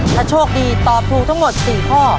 ถ้าโชคดีตอบถูกทั้งหมด๔ข้อ